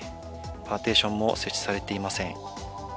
パーティションも設置されていません。